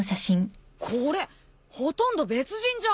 これほとんど別人じゃん！